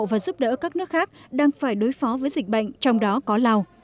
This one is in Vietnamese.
và giúp đỡ các nước khác đang phải đối phó với dịch bệnh trong đó có lào